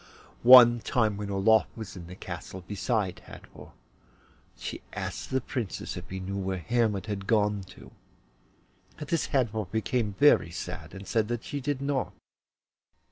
One time, when Olof was in the castle beside Hadvor, she asked the Princess if she knew where Hermod had gone to. At this Hadvor became very sad, and said that she did not.